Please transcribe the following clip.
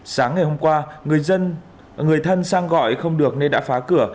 sáng ngày hôm qua người thân sang gọi không được nên đã phá cửa